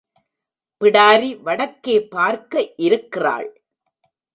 பிடாரி வடக்கே பார்க்க இருக்கிறாள்.